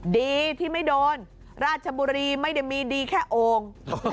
ดีที่ไม่โดนราชบุรีไม่ได้มีดีแค่โอ่ง